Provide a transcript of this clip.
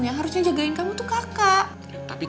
yang harusnya jagain kamu tuh kakak